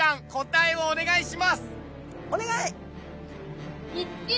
お願い！